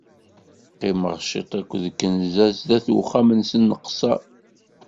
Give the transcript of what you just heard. Qqimeɣ ciṭ aked kenza sdat n uxxam-nsen nqesser.